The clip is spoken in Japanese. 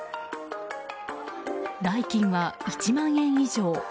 代金は１万円以上。